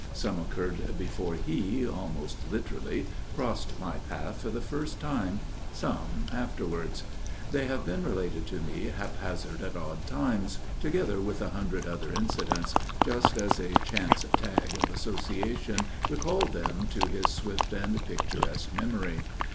Some occurred before he (almost literally) crossed my path for the first time, some afterwards. They have been related to me haphazard at odd times, together with a hundred other incidents, just as a chance tag of association recalled them to his swift and picturesque memory.